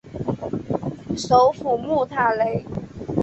首府穆塔雷。